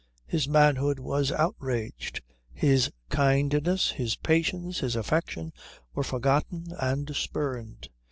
His manhood was outraged; his kindness, his patience, his affection were forgotten and spurned.